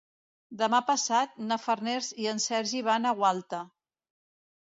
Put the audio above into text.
Demà passat na Farners i en Sergi van a Gualta.